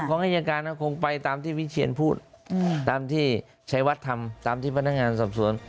ของอายการก็คงไปตามที่วิเชียนพูดตามที่ชัยวัดทำตามที่พนักงานสอบสวน